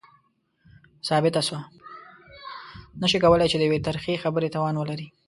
نه شي کولای چې د يوې ترخې خبرې توان ولري.